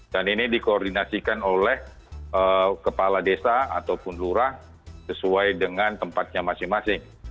ini dikoordinasikan oleh kepala desa ataupun lurah sesuai dengan tempatnya masing masing